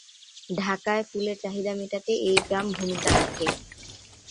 ঢাকায় ফুলের চাহিদা মেটাতে এই গ্রাম ভূমিকা রাখে।